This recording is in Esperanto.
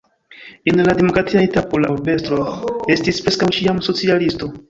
En la demokratia etapo la urbestro estis preskaŭ ĉiam socialisto.